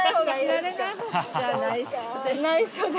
内緒で。